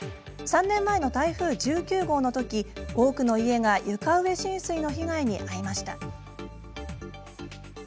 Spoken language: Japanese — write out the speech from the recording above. ３年前の台風１９号のとき多くの家が床上浸水の被害に遭いました。